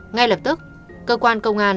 ngay lập tức cơ quan công an